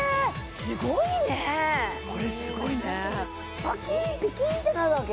すごいねこれすごいねパキーンピキーンってなるわけ！？